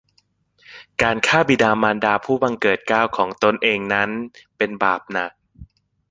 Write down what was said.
การฆ่าบิดามารดาผู้บังเกิดเกล้าของตนเองนั้นเป็นบาปหนัก